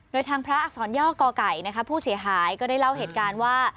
โดยทางพระอักษรย่อกอไก่นะคะผู้เสียหายก็ได้เล่าเหตุการณ์ว่า